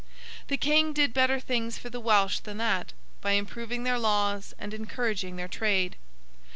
The King did better things for the Welsh than that, by improving their laws and encouraging their trade.